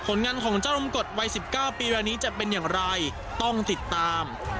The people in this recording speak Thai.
งานของเจ้าลมกฎวัย๑๙ปีแบบนี้จะเป็นอย่างไรต้องติดตาม